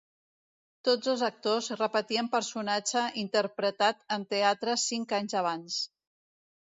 Tots dos actors repetien personatge interpretat en teatre cinc anys abans.